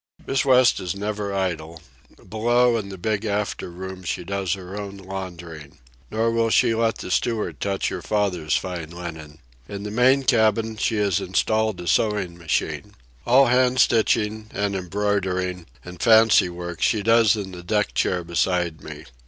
Miss West is never idle. Below, in the big after room, she does her own laundering. Nor will she let the steward touch her father's fine linen. In the main cabin she has installed a sewing machine. All hand stitching, and embroidering, and fancy work she does in the deck chair beside me.